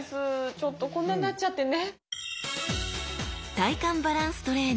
ちょっとこんなになっちゃってね。